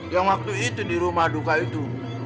yang waktu itu di rumah duka itu